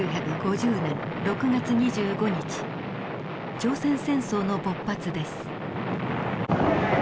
朝鮮戦争の勃発です。